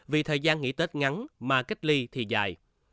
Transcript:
vì thời gian nghỉ tết ngắn mà cách ly thì dài